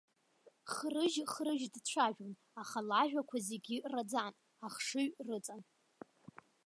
Хрыжь-хрыжь дцәажәон, аха лажәақәа зегьы раӡан, ахшыҩ рыҵан.